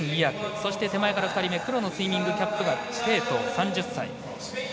そして手前から２人目黒のスイミングキャップが鄭濤、３０歳。